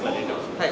はい。